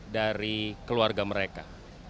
dari keluarga mereka